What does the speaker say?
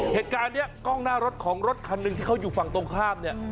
เหตุการณ์นี้กล้องหน้ารถของรถคันหนึ่งที่เขาอยู่ฝั่งตรงข้ามเนี่ย